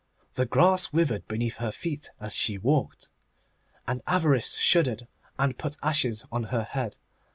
The grass withered beneath her feet as she walked. And Avarice shuddered, and put ashes on her head.